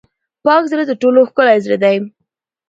پاک زړه تر ټولو ښکلی زړه دی.